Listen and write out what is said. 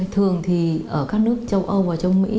thường thì ở các nước châu âu và châu mỹ